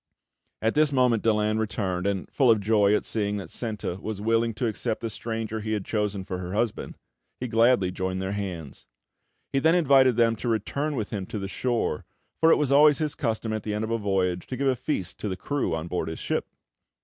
At this moment Daland returned, and, full of joy at seeing that Senta was willing to accept the stranger he had chosen for her husband, he gladly joined their hands. He then invited them to return with him to the shore; for it was always his custom, at the end of a voyage, to give a feast to the crew on board his ship.